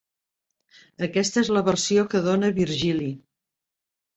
Aquesta és la versió que dóna Virgili.